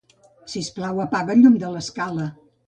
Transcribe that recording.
Sisplau, apaga el llum de l'escala.